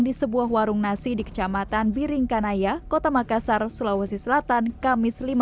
di sebuah warung nasi di kecamatan biring kanaya kota makassar sulawesi selatan kamis lima